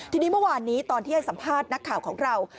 ทีนี้เมื่อวานนี้ตอนที่ให้สัมภาษณ์นักข่าวของเรา